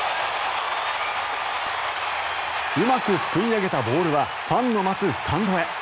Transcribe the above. うまくすくい上げたボールはファンの待つスタンドへ。